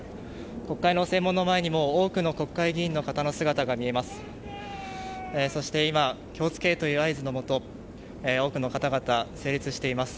国会の正門の前にも多くの国会議員の方の姿が見えます。